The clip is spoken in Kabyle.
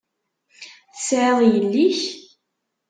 Tesεiḍ yelli-k?